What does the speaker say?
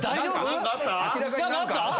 何かあった？